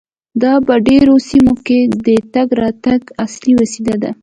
دا په ډیرو سیمو کې د تګ راتګ اصلي وسیله ده